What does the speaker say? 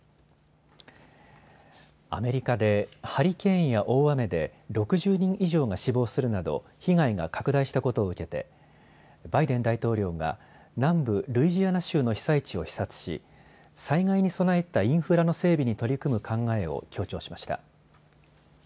アメリカでハリケーンや大雨で６０人以上が死亡するなど被害が拡大したことを受けてバイデン大統領は南部ルイジアナ州の被災地を視察し災害に備えたインフラの整備に取り組む考えを強調しました。